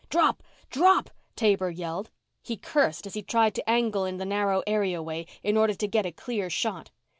"Drop! Drop!" Taber yelled. He cursed as he tried to angle in the narrow areaway in order to get a clear shot.